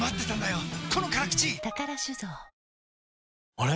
あれ？